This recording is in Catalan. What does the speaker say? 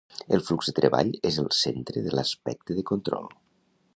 El flux de treball és el centre de l'aspecte de control.